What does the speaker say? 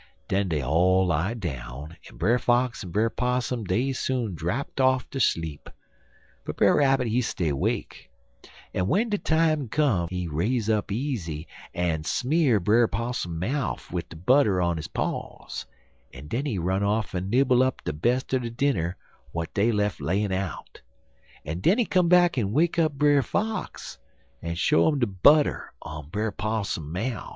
Den dey all lie down en Brer Fox en Brer Possum dey soon drapt off ter sleep, but Brer Rabbit he stay 'wake, en w'en de time come he raise up easy en smear Brer Possum mouf wid de butter on his paws, en den he run off en nibble up de bes' er de dinner w'at dey lef' layin' out, en den he come back en wake up Brer Fox, en show 'im de butter on Brer Possum mouf.